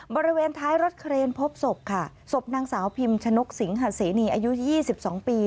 บริเวณท้ายรถเครนพบศพค่ะศพนางสาวพิมชนกสิงหาเสนีอายุ๒๒ปี